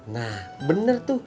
nah bener tuh